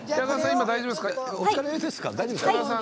今大丈夫ですか？